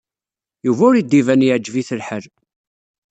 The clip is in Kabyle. Yuba ur d-iban yeɛjeb-it lḥal.